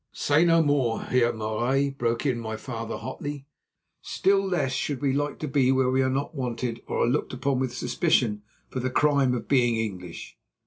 "Say no more, Heer Marais," broke in my father hotly; "still less should we like to be where we are not wanted or are looked upon with suspicion for the crime of being English.